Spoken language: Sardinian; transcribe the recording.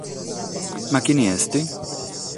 Ma chie est?